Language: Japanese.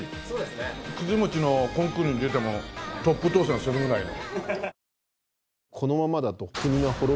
くず餅のコンクールに出てもトップ当選するぐらいの。